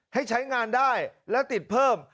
ให้ใช้งานได้แล้วติดเพิ่ม